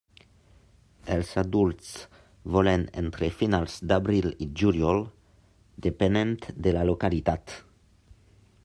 Els adults volen entre finals d'abril i juliol, depenent de la localitat.